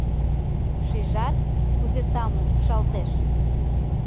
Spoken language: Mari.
Шижат, кузе тамлын ӱпшалтеш?